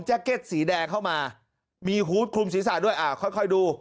เก็ตสีแดงเข้ามามีฮูตคลุมศีรษะด้วยอ่าค่อยดู